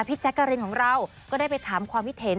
พี่แจ๊คการินของเราก็ได้ไปถามความพิเทน